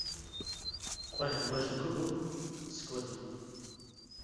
Xwehên we ji ku bûn? "Skotî."